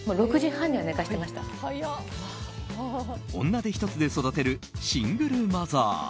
女手ひとつで育てるシングルマザー。